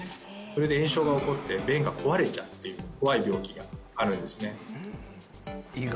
それで炎症が起こって弁が壊れちゃうっていう怖い病気があるんですねねえ